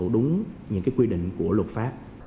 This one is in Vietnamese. đúng những quy định của luật pháp